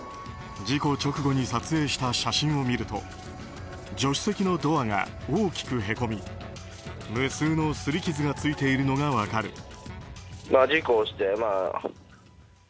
事故直後に撮影した写真を見ると助手席のドアが大きくへこみ無数のすり傷がついているのが分かる。